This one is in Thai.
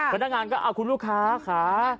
พนักงานก็เอาคุณลูกค้าค่ะ